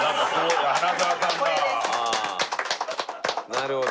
なるほど。